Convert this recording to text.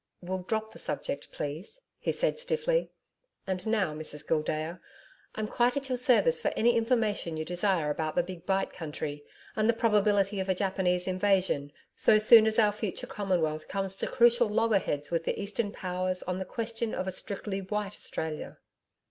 'We'll drop the subject, please,' he said stiffly. 'And now, Mrs Gildea, I'm quite at your service for any information you desire about the Big Bight country and the probability of a Japanese invasion so soon as our future Commonwealth comes to crucial loggerheads with the Eastern Powers on the question of a strictly White Australia.'